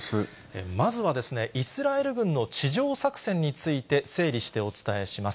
まずはイスラエル軍の地上作戦について、整理してお伝えします。